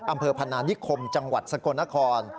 อำเภอพนานิคมจังหวัดสกลนคร